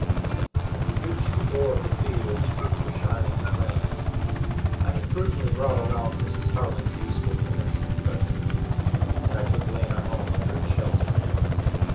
When we reached the door of the theater, the streets were shining with rain. I had prudently brought along Mrs. Harling's useful Commencement present, and I took Lena home under its shelter.